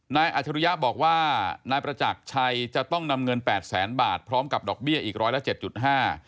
นายอาจารยาบอกว่านายประจักษ์ชัยจะต้องนำเงิน๘แสนบาทพร้อมกับดอกเบี้ยอีกร้อยละ๗๕